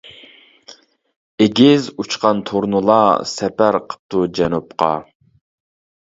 ئېگىز ئۇچقان تۇرنىلار، سەپەر قىپتۇ جەنۇبقا.